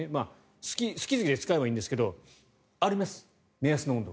好き好きで使えばいいんですけどあります、目安の温度。